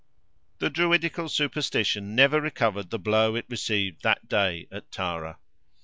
The Druidical superstition never recovered the blow it received that day at Tara.